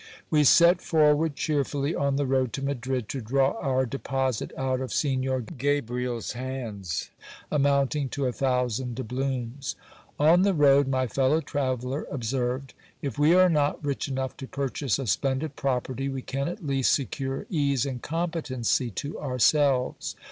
We set forward cheerfully on the road to Madrid, to draw our deposit out of Signor Gabriel's hands, amounting to a thousand doubloons. On the road my fellow traveller observed : If we are not rich enough to purchase a splendid property, we can at least secure ease and competency to ourselves.